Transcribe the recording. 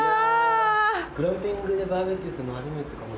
グランピングでバーベキューするの初めてかも。